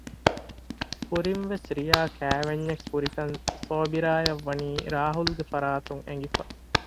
ކުރިން ވެސް ރިޔާ ކައިވެންޏެއް ކުރިކަން ޞާބިރާއަށް ވަނީ ރާހުލްގެ ފަރާތުން އެނގިފަ